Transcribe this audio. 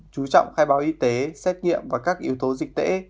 chú trọng khai báo y tế xét nghiệm và các yếu tố dịch tễ